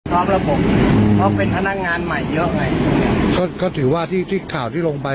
ระบบเพราะเป็นพนักงานใหม่เยอะไงก็ก็ถือว่าที่ที่ข่าวที่ลงไป